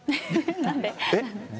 なんで。